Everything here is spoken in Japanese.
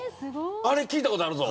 聞いたことあるぞ。